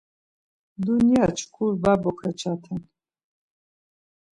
Dunya çku var bokaçaten.